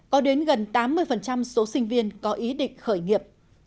có đến gần tám mươi số sinh viên có ý định khởi nghiệp